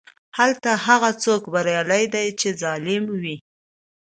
هلته هغه څوک بریالی دی چې ظالم وي.